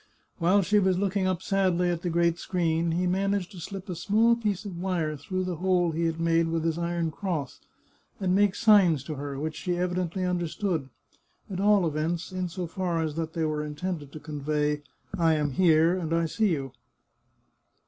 While she was looking up sadly at the great screen, he managed to slip a small piece of wire through the hole he had made with his iron cross, and make signs to her which she evidently under stood— at all events in so far as that they were intended to convey " I am here, and I see you."